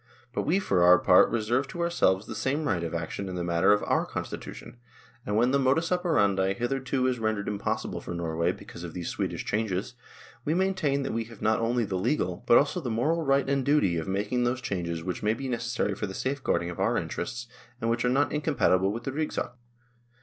But we for our part reserve to ourselves the same right of action in the matter of our constitu tion, and when the modus operandi hitherto is rendered impossible for Norway because of these Swedish changes, we maintain that we have not only the legal, but also the moral right and duty of making those changes which may be necessary for the safe guarding of our interests, and which are not incom patible with the " Rigsakt."